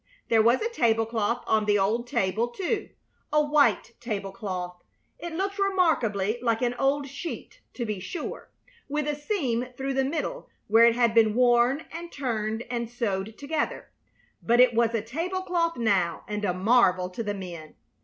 There was a tablecloth on the old table, too a white tablecloth. It looked remarkably like an old sheet, to be sure, with a seam through the middle where it had been worn and turned and sewed together; but it was a tablecloth now, and a marvel to the men.